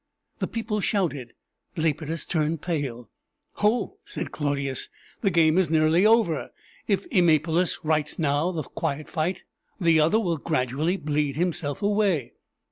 The people shouted; Lepidus turned pale. "Ho!" said Clodius, "the game is nearly over. If Eumolpus rights now the quiet fight, the other will gradually bleed himself away."